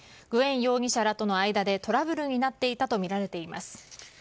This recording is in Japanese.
グエン容疑者らとの間でトラブルになっていたとみられます。